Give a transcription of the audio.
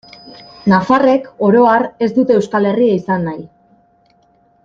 Nafarrek, oro har, ez dute Euskal Herria izan nahi.